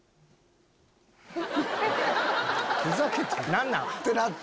何なん？